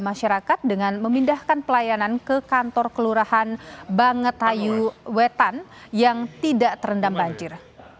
masyarakat dengan memindahkan pelayanan ke kantor kelurahan bangetayu wetan yang tidak terendam banjir